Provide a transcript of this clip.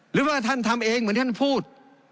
หรือว่าท่านทำเองเหมือนท่านพูด